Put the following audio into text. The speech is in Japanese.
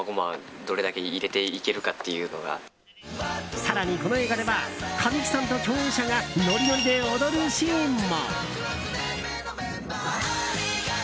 更に、この映画では神木さんと共演者がノリノリで踊るシーンも。